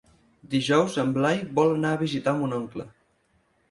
Dijous en Blai vol anar a visitar mon oncle.